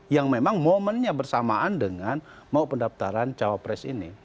yang memang momennya bersamaan dengan mau pendaftaran cawapres ini